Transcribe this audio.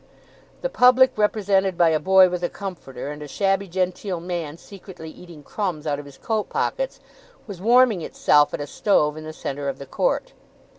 The public, represented by a boy with a comforter, and a shabby genteel man secretly eating crumbs out of his coat pockets, was warming itself at a stove in the centre of the Court.